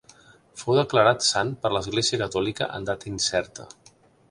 Fou declarat sant per l'església catòlica en data incerta.